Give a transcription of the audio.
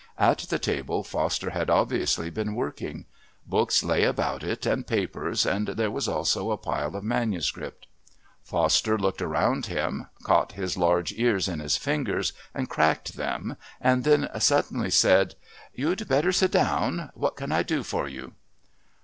At the table Foster had obviously been working. Books lay about it and papers, and there was also a pile of manuscript. Foster looked around him, caught his large ears in his fingers and cracked them, and then suddenly said: "You'd better sit down. What can I do for you?"